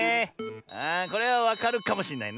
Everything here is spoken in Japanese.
あこれはわかるかもしんないな。